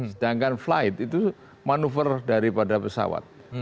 sedangkan flight itu manuver daripada pesawat